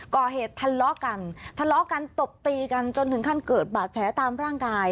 ก่อเหตุทะเลาะกันทะเลาะกันตบตีกันจนถึงขั้นเกิดบาดแผลตามร่างกาย